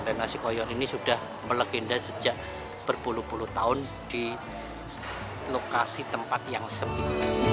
dan nasi koyor ini sudah melegenda sejak berpuluh puluh tahun di lokasi tempat yang sempit